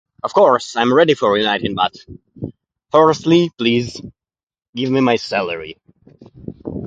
Of course, I'm ready it and everything, but...firstly, please...give me my celery.